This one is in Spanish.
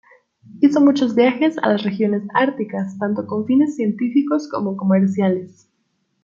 Hizo muchos viajes a las regiones árticas, tanto con fines científicos como comerciales.